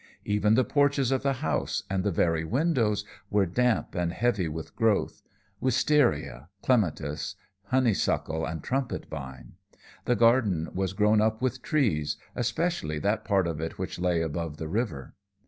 Even the porches of the house, and the very windows, were damp and heavy with growth: wistaria, clematis, honeysuckle, and trumpet vine. The garden was grown up with trees, especially that part of it which lay above the river.